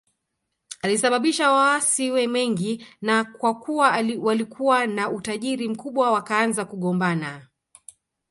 Alisababisha maasi mengi na kwa kuwa walikuwa na utajiri mkubwa wakaanza kugombana